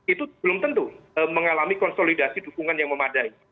itu belum tentu mengalami konsolidasi dukungan yang memadai